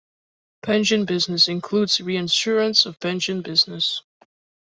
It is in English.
Pension business includes reinsurance of pension business.